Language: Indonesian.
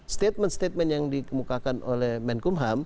statement statement yang dikemukakan oleh menkumham